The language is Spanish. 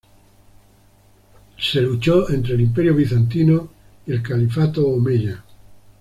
Se luchó entre el Imperio bizantino y el Califato Omeya.